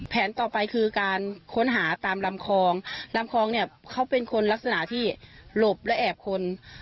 ต่อไปคือการค้นหาตามลำคลองลำคลองเนี่ยเขาเป็นคนลักษณะที่หลบและแอบคน